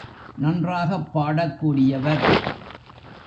நன்றாகப் பாடக் கூடியவர்.